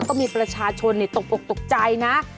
ก็มีประชาชนตกอกตกใจนะ